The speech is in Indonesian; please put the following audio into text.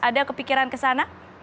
ada kepikiran kesana